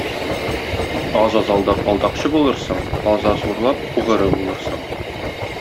Аз-аз алдап алдакчы булырсың, аз-аз урлап угыры булырсың.